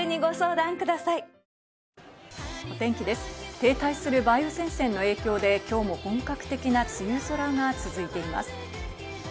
停滞する梅雨前線の影響で今日も本格的な梅雨空が続いています。